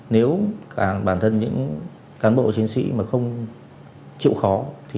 nếu bản thân những cán bộ chiến sĩ mà không chịu khó